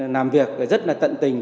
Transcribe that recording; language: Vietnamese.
làm việc rất là tận tình